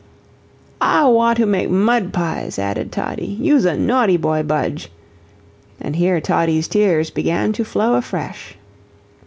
"An' wawtoo to mate mud pies," added Toddie. "You's a naughty boy, Buggie;" and here Toddie's tears began to flow afresh.